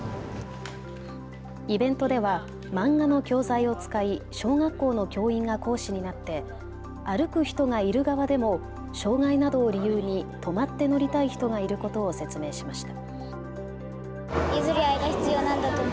イベントでは漫画の教材を使い小学校の教員が講師になって歩く人がいる側でも障害などを理由に止まって乗りたい人がいることを説明しました。